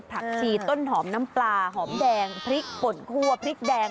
ผักชีต้นหอมน้ำปลาหอมแดงพริกป่นคั่วพริกแดง